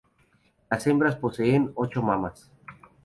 Las hembras poseen ocho mamas.